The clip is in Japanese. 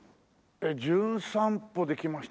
『じゅん散歩』で来ました